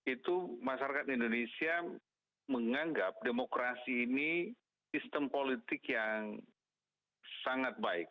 itu masyarakat indonesia menganggap demokrasi ini sistem politik yang sangat baik